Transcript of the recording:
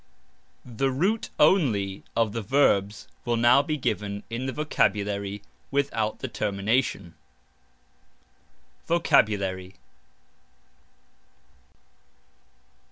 (The root only of the verbs will now be given in the Vocabulary without the termination). VOCABULARY.